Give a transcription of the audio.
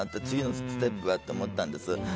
次のステップはと思ったんですよ。